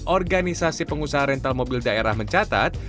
organisasi pengusaha rental mobil daerah mencatat